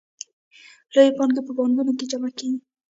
لویې پانګې په بانکونو کې جمع کېږي